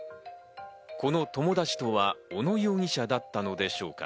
この友達とは小野容疑者だったんでしょうか？